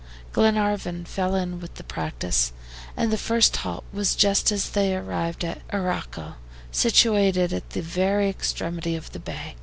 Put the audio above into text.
Glenarvan fell in with the practice, and the first halt was just as they arrived at Arauco, situated at the very extremity of the bay.